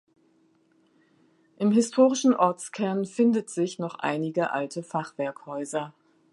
Im historischen Ortskern findet sich noch einige alte Fachwerkhäuser.